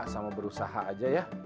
sama berusaha aja ya